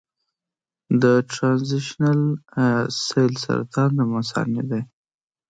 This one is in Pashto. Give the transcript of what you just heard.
د ټرانزیشنل سیل سرطان د مثانې دی.